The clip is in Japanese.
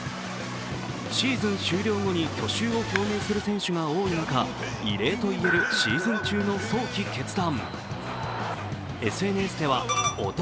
シーズン終了後に去就を表明する選手が多い中、異例と言えるシーズン中の早期決断。